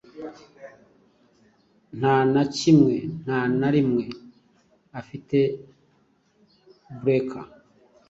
nta na kimwe nta na rimwe afite Breca